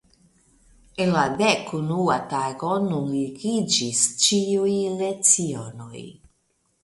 En la dekunua tago nuligiĝis ĉiuj lecionoj.